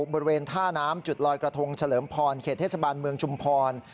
บริเวณท่าน้ำจุดลอยกระทงเฉลิมพรเขตเทศบาลเมืองชุมพร